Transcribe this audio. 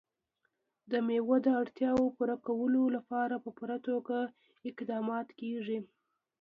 د مېوو د اړتیاوو پوره کولو لپاره په پوره توګه اقدامات کېږي.